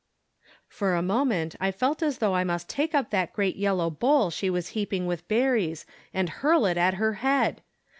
For a moment I felt as though I must take up that great yellow bowl she was heaping with berries and hurl it at her head.